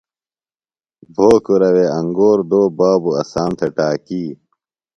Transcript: بھوکُرہ وے انگور دو، بابوۡ اسام تھےۡ ٹاکی